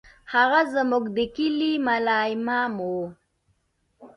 هغه زموږ د کلي ملا امام و.